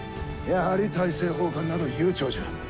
やはり大政奉還など悠長じゃ。